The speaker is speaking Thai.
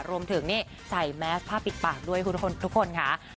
รวมถึงนี่ใส่แมสผ้าปิดปากด้วยทุกคนค่ะ